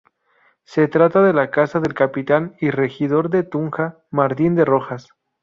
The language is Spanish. Se trata de la casa del capitán y regidor de Tunja, Martín de Rojas.